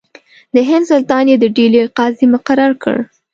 د هند سلطان یې د ډهلي قاضي مقرر کړ.